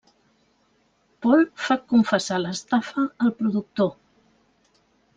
Paul fa confessar l'estafa al productor.